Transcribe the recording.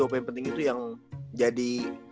dua poin penting itu yang jadi